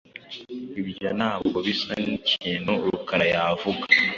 Ibyo ntabwo bisa nkikintu Rukara yavuga.